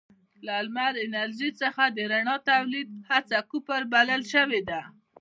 له لمر انرژۍ څخه د رڼا تولید هڅه کفر بلل شوې ده.